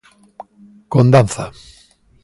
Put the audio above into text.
Con Danza.